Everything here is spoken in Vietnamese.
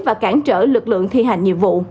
và cản trở lực lượng thi hành nhiệm vụ